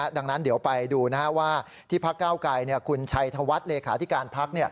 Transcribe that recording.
ดังนั้นเดี๋ยวไปดูว่าที่พักเก้าไกรคุณชัยธวัฒน์เลขาธิการพัก